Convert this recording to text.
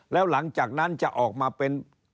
แล้วหลังจากนั้นจะออกมาเป็น